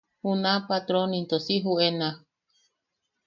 Juna patron into si juʼena.